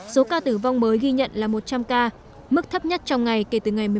số ca tử vong mới ghi nhận là một trăm linh ca mức thấp nhất trong ngày kể từ ngày một mươi tháng một